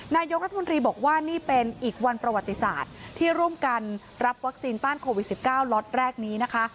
นายกรัฐมนตรีบอกว่านี่เป็นอีกวันประวัติศาสตร์ที่ร่วมกันรับวัคซีนต้านโควิด๑๙ล็อตแรกนี้นะคะ